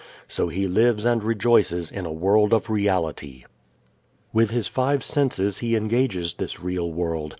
So he lives and rejoices in a world of reality. With his five senses he engages this real world.